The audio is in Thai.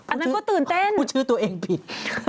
อันนั้นก็ตื่นเต้นพูดชื่อตัวเองผิด